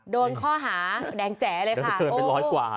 โดนข้อหาแดงแจ๋เลยค่ะ